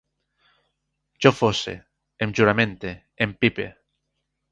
Jo fosse, em juramente, empipe